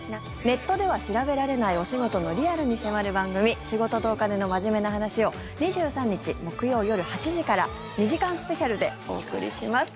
ネットでは調べられないお仕事のリアルに迫る番組「仕事とお金のマジメな話」を２３日、木曜夜８時から２時間スペシャルでお送りします